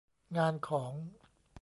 งานของ